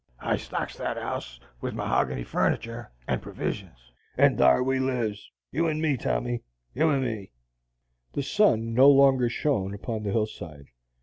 I stocks that house with mohogany furniture and pervisions, and thar we lives, you and me, Tommy, you and me!" The sun no longer shone upon the hillside.